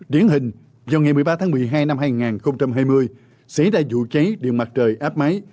điển hình vào ngày một mươi ba tháng một mươi hai năm hai nghìn hai mươi xảy ra vụ cháy điện mặt trời áp máy